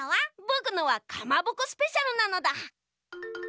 ぼくのはかまぼこスペシャルなのだ。